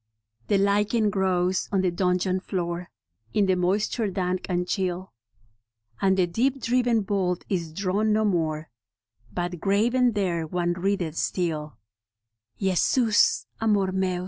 The lichen grows on the dungeon floor In the moisture dank and chill, And the deep driven bolt is drawn no more, But graven there one readeth still —" Jesus Amor Meus!'